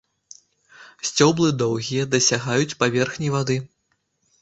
Сцёблы доўгія, дасягаюць паверхні вады.